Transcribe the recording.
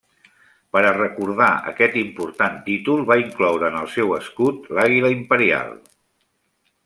Per a recordar aquest important títol va incloure en el seu escut l'àguila imperial.